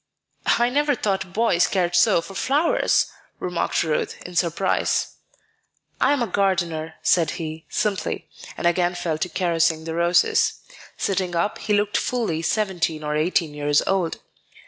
"I never thought boys cared so for flowers," remarked Ruth, in surprise. "I am a gardener," said he, simply, and again fell to caressing the roses. Sitting up, he looked fully seventeen or eighteen years old.